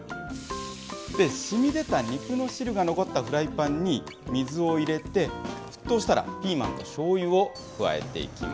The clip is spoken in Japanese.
しみ出た肉の汁が残ったフライパンに水を入れて、沸騰したら、ピーマンとしょうゆを加えていきま